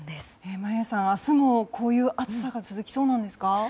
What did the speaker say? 眞家さん明日もこういう暑さが続きそうなんですか。